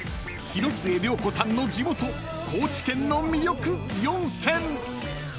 ［広末涼子さんの地元高知県の魅力４選！］